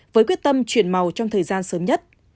với quyết tâm chuyển màu trong thời gian sớm nhất